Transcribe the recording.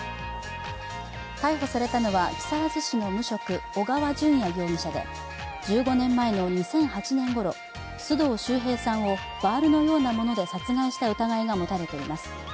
逮捕されたのは木更津市の無職、小川順也容疑者で１５年前の２００８年ごろ、須藤秀平さんをバールのようなもので殺害した疑いが持たれています。